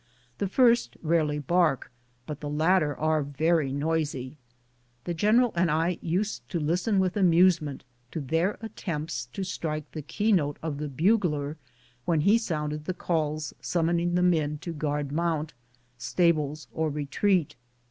The first rarely bark, but the latter are very noisy. The general and I used to listen with amusement to their attempts to strike the key note of the bugler when he sounded the calls summoning the men to guard mount, stables, or retreat.